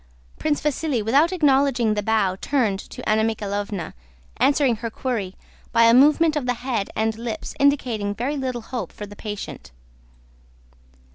Prince Vasíli without acknowledging the bow turned to Anna Mikháylovna, answering her query by a movement of the head and lips indicating very little hope for the patient.